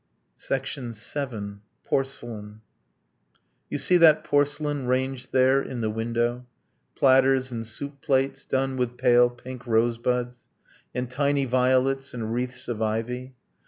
VII. PORCELAIN You see that porcelain ranged there in the window Platters and soup plates done with pale pink rosebuds, And tiny violets, and wreaths of ivy?